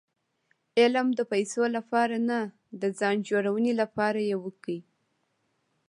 علم د پېسو له پاره نه؛ د ځان جوړوني له پاره ئې وکئ!